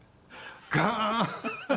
ガーン！